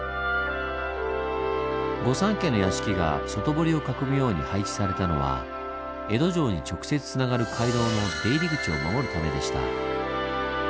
御三家の屋敷が外堀を囲むように配置されたのは江戸城に直接つながる街道の出入り口を守るためでした。